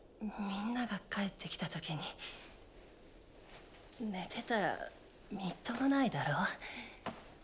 皆が帰ってきた時にねてたらみっともないだろ？